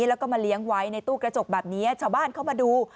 แล้วก็มาเลี้ยงไว้ในตู้กระจกแบบนี้ชาวบ้านเข้ามาดู